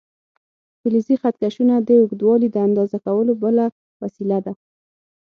فلزي خط کشونه د اوږدوالي د اندازه کولو بله وسیله ده.